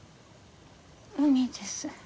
海です